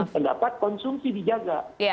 kondisi pendapat konsumsi dijaga